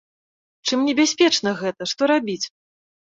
Чым небяспечна гэта, што рабіць?